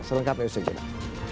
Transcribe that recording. selengkapnya usai jeddah